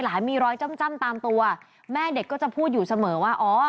มีรอยจ้ำตามตัวแม่เด็กก็จะพูดอยู่เสมอว่าอ๋อ